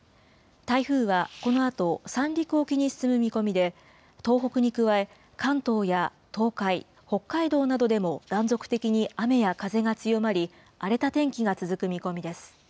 台風はこのあと三陸沖に進む見込みで、東北に加え、関東や東海、北海道などでも断続的に雨や風が強まり、荒れた天気が続く見込みです。